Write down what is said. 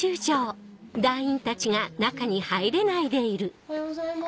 おはようございます。